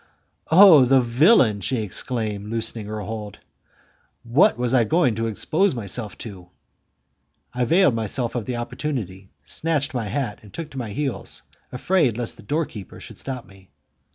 "Oh, the villain!" she exclaimed, loosing her hold; "what was I going to expose myself to!" I availed myself of the opportunity, snatched my hat, and took to my heels, afraid lest the door keeper should stop me.